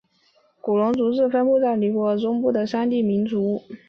古隆族是分布在尼泊尔中部的山地民族。